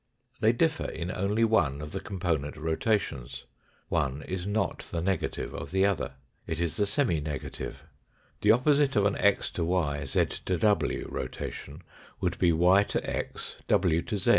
They differ in only one of the component rotations. One is not the negative of the other. It is the semi negative. The opposite of an x to y, z to w rotation would be y to x, w to z.